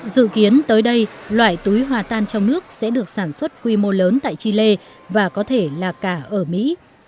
dự kiến tới đây loại túi hòa tan trong nước sẽ được sản xuất quy mô lớn tại chile và có thể là cả ở mỹ